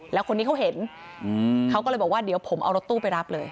แล้วคนนี้เขาเห็นเขาก็เลยบอกว่าเดี๋ยวผมเอารถตู้ไปรับเลย